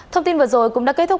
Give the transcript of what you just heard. thông tin vừa rồi cũng đã kết thúc